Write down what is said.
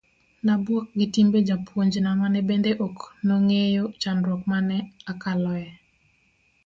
nabuok gi timbe jopunjna mane bende ok nong'eyo chandruok mane akaloe